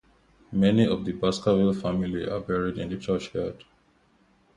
Many of the Baskerville family are buried in the churchyard.